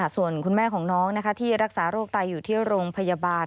ส่วนคุณแม่ของน้องที่รักษาโรคไตอยู่ที่โรงพยาบาล